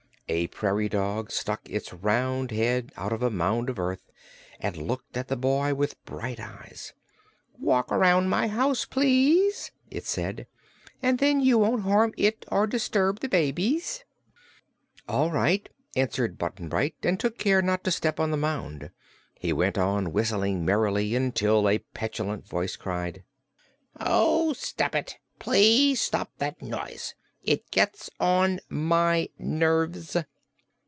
A prairie dog stuck its round head out of a mound of earth and looked at the boy with bright eyes. "Walk around my house, please," it said, "and then you won't harm it or disturb the babies." "All right," answered Button Bright, and took care not to step on the mound. He went on, whistling merrily, until a petulant voice cried: "Oh, stop it! Please stop that noise. It gets on my nerves."